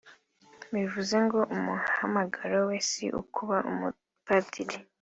bivuze ngo umuhamagaro we si ukuba umupadiri